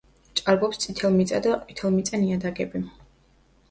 ჭარბობს წითელმიწა და ყვითელმიწა ნიადაგები.